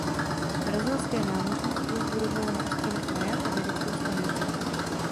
Brazilské námořnictvo vybudovalo na ostrovech maják a vědeckou stanici.